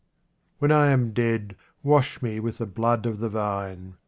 When I am dead, wash me with the blood of the vine.